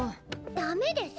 ダメです！